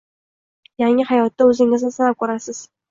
yangi holatda o’zingizni sinab ko’rasiz